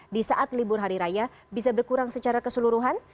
di saat libur hari raya bisa berkurang secara keseluruhan